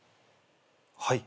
はい。